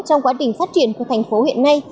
trong quá trình phát triển của thành phố hiện nay